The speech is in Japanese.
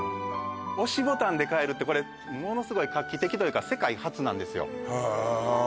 押しボタンで変えるってこれものすごい画期的というか世界初なんですよへえ